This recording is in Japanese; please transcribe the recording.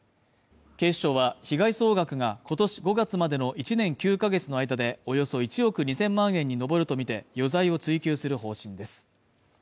警視庁は被害総額が今年５月までの１年９か月の間でおよそ１億２０００万円に上るとみて余罪を追及する方針です